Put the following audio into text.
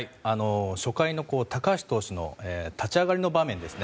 初回の高橋投手の立ち上がりの場面です。